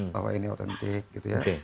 bahwa ini otentik gitu ya